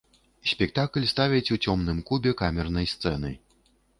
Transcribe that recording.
Спектакль ставяць у цёмным кубе камернай сцэны.